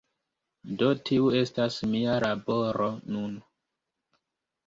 Do tiu estas mia laboro nun.